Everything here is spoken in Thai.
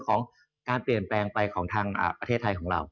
ของการเปลี่ยนแปลงไปของทางประเทศไทยของเรา